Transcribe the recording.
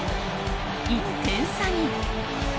１点差に。